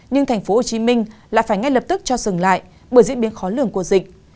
nhưng tp hcm lại phải ngay lập tức cho dừng lại bởi diễn biến khó lường của dịch